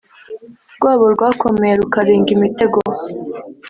rwabo rwakomeye rukarenga imitego